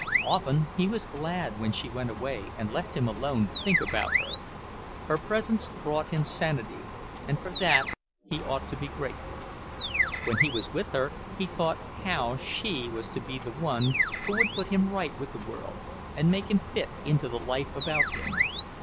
Often he was glad when she went away and left him alone to think about her. Her presence brought him sanity, and for that he ought to be grateful. When he was with her, he thought how she was to be the one who would put him right with the world and make him fit into the life about him.